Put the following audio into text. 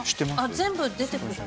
全部出てくる。